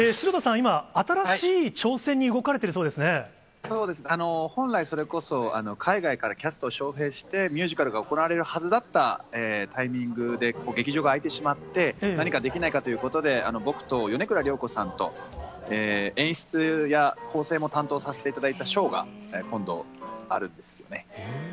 今、新しい挑戦に動かれ本来、それこそ海外からキャストを招へいして、ミュージカルが行われるはずだったタイミングで、劇場が開いてしまって、何かできないかということで、僕と米倉涼子さんと、演出や構成も担当させていただいたショーが今度あるんですね。